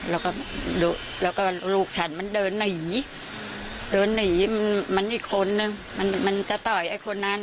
แล้วก็ลูกฉันมันเดินหนีเดินหนีมันอีกคนนึงมันจะต่อยไอ้คนนั้น